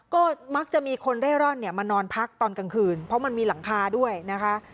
ก็มักจะมีคนเร่ร่อนเนี่ยมานอนพักตอนกลางคืนเพราะมันมีหลังคาด้วยนะคะ